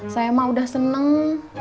saya mah udah seneng